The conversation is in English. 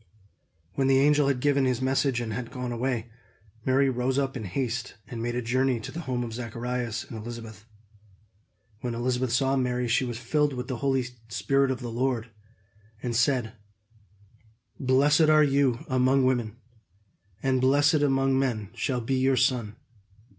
When the angel had given his message and had gone away, Mary rose up in haste and made a journey to the home of Zacharias and Elizabeth. When Elizabeth saw Mary, she was filled with the Spirit of the Lord, and said: "Blessed are you among women, and blessed among men shall be your son!